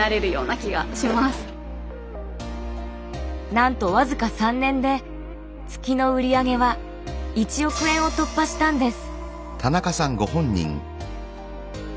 なんと僅か３年で月の売上は１億円を突破したんです。